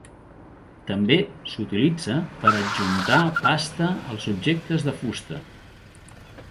També s'utilitza per adjuntar pasta als objectes de fusta.